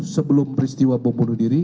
sebelum peristiwa pembunuh diri